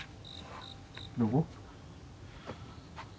どこ？